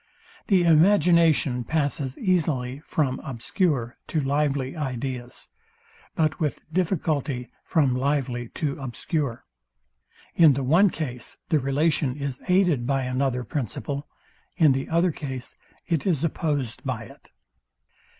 The imagination passes easily from obscure to lively ideas, but with difficulty from lively to obscure. In the one case the relation is aided by another principle: In the other case, it is opposed by it.